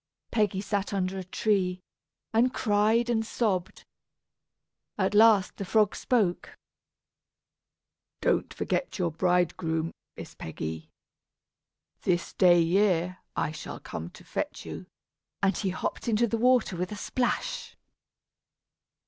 Peggy sat under a tree, and cried and sobbed. At last the frog spoke: "Don't forget your bridegroom, Miss Peggy. This day year I shall come to fetch you," and he hopped into the water with a splash.